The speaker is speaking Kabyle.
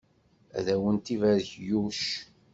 Ad awent-ibarek Yuc!